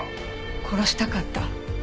殺したかった。